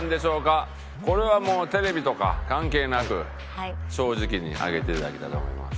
これはもうテレビとか関係なく正直に上げていただきたいと思います。